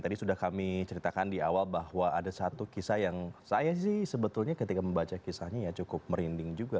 tadi sudah kami ceritakan di awal bahwa ada satu kisah yang saya sih sebetulnya ketika membaca kisahnya ya cukup merinding juga